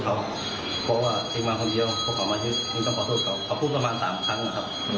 แล้วตอนนี้อัลเบียร์ตำรวจเขาไปเจาะรถคู่กัน